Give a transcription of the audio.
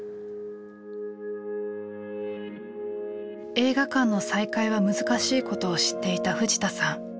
映画館の再開は難しいことを知っていた藤田さん。